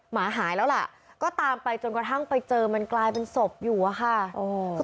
หมาหายแล้วล่ะก็ตามไปจนกระทั่งไปเจอมันกลายเป็นศพอยู่อะค่ะ